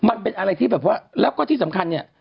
มันเป็นอะไรที่แบบว่าแล้วก็ที่สำคัญเนี่ย